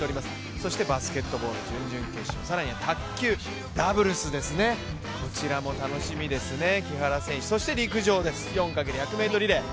そしてバスケットボール準々決勝、そして卓球ダブルスですね木原選手、そして陸上です４×１００ｍリレー。